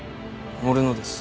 俺のです。